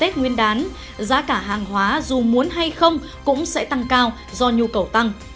tết nguyên đán giá cả hàng hóa dù muốn hay không cũng sẽ tăng cao do nhu cầu tăng